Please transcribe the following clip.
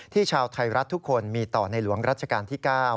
ชาวไทยรัฐทุกคนมีต่อในหลวงรัชกาลที่๙